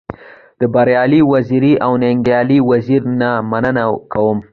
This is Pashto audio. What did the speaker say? د بريالي وزيري او ننګيالي وزيري نه مننه کوم.